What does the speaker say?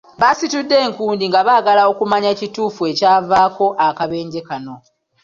Basitudde enkundi nga baagala okumanya ekituufu ekyavaako akabenje kano.